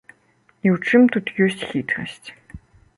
І ў чым тут ёсць хітрасць.